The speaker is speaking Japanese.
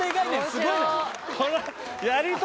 すごいな。